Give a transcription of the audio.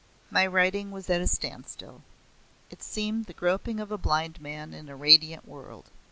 My writing was at a standstill. It seemed the groping of a blind man in a radiant world.